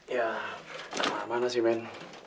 ya mana sih men